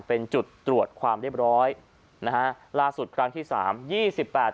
เป็นจุดตรวจความเรียบร้อยนะฮะล่าสุดครั้งที่สามยี่สิบแปด